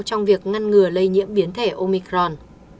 trong việc ngăn ngừa lây nhiễm biến thể omicron